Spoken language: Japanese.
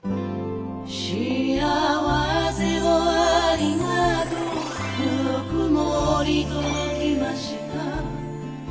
「幸せをありがとうぬくもり届きました」